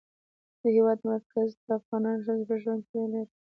د هېواد مرکز د افغان ښځو په ژوند کې رول لري.